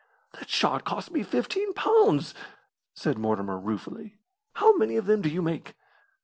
"That shot cost me 15 pounds," said Mortimer, ruefully. "How many of them do you make?"